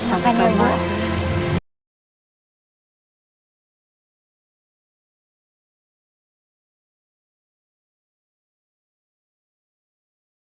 alhamdulillah makasih ibu